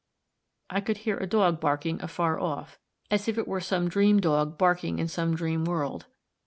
I could hear a dog barking afar off, as it were some dream dog barking in some dream world.